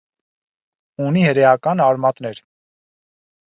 Ունի հրեական արմատներ։